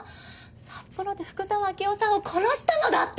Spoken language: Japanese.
札幌で福沢明夫さんを殺したのだって。